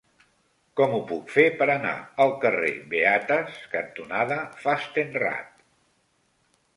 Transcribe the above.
Com ho puc fer per anar al carrer Beates cantonada Fastenrath?